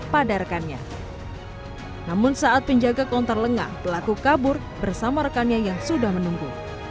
pada rekannya namun saat penjaga kontor lengah pelaku kabur bersama rekannya yang sudah menunggu